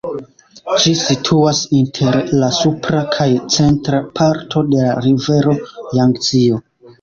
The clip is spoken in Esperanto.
Ĝi situas inter la supra kaj centra parto de la rivero Jangzio.